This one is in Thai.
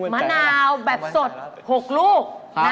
มะนาวแบบสด๖ลูก